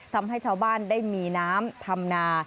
ทำให้ชาวบ้านได้มีน้ำทำนา